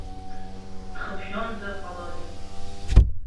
Ҵхыбжьонзар ҟаларын.